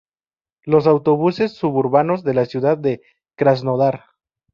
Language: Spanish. Los autobuses suburbanos de la ciudad de "Krasnodar".